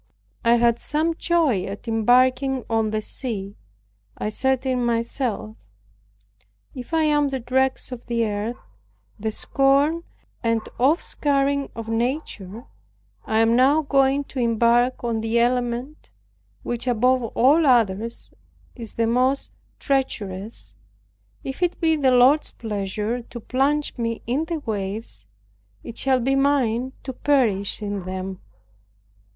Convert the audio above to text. I had some joy at embarking on the sea. I said in myself, "If I am the dregs of the earth, the scorn and offscouring of nature, I am now going to embark on the element which above all others is the most treacherous; if it be the Lord's pleasure to plunge me in the waves, it shall be mine to perish in them."